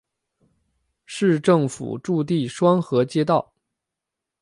市政府驻地双河街道。